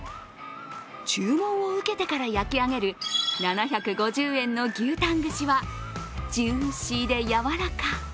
注文を受けてから焼き上げる７５０円の牛タン串はジューシーでやわらか。